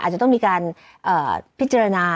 อาจจะต้องมีการพิจารณา